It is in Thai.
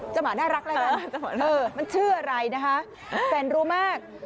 หมาน่ารักแล้วนะมันชื่ออะไรนะคะแสนรู้มาก